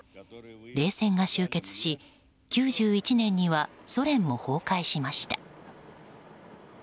冷戦が終結し９１年にはソ連も崩壊しました。